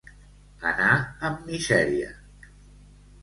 Anar amb misèria.